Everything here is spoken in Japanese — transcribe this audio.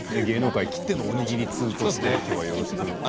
芸能界きってのおにぎり通として今日はよろしく。